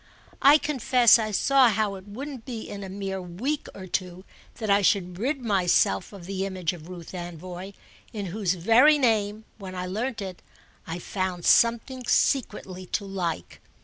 I confess I saw how it wouldn't be in a mere week or two that I should rid myself of the image of Ruth Anvoy, in whose very name, when I learnt it, I found something secretly to like.